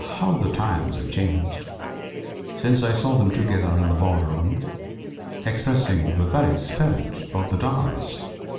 how the times have changed since I saw them together in the ball room, expressing the very spirit of the dance!